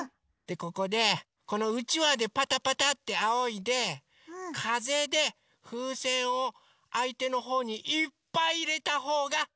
ここでこのうちわでパタパタってあおいでかぜでふうせんをあいてのほうにいっぱいいれたほうがかちです！